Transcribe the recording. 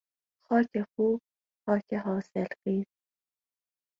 خاک خوب، خاک حاصلخیز